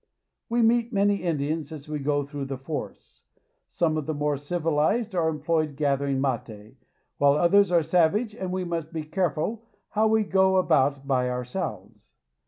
We meet many Indians as we go through the forests. Some of the more civilized are employed gathering mate ; others are savage, and we must be careful how we go about by our selves.